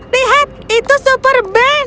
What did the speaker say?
lihat itu super ben